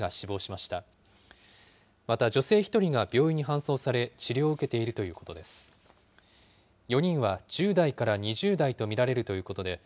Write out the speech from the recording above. また女性１人が病院に搬送され、治療を受けているということです。